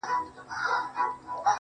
• ته چي راغلې سپين چي سوله تور باڼه_